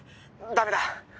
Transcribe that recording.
☎ダメだ